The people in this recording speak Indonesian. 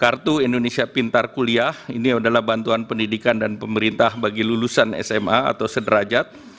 kartu indonesia pintar kuliah ini adalah bantuan pendidikan dan pemerintah bagi lulusan sma atau sederajat